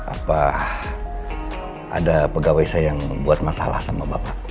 apa ada pegawai saya yang buat masalah sama bapak